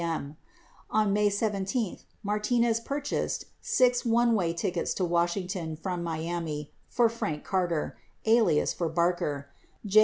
m. 26 On May 17, Martinez purchased six one way tickets to Washington from Miami for Frank Carter (alias for Barker) , J.